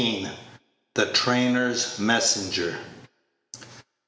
THE TRAINER'S MESSENGER.